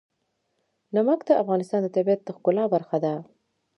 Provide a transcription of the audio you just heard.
نمک د افغانستان د طبیعت د ښکلا برخه ده.